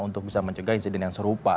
untuk bisa mencegah insiden yang serupa